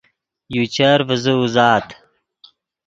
یو چر ڤیزے اوزات